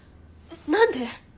何で？